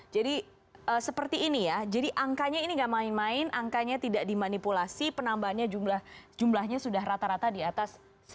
jadi seperti ini ya jadi angkanya ini nggak main main angkanya tidak dimanipulasi penambahannya jumlahnya sudah rata rata di atas seribu